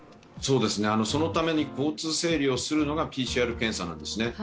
そのために交通整理をするのがＰＣＲ検査なんですね。